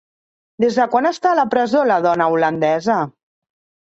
Des de quan està a la presó la dona holandesa?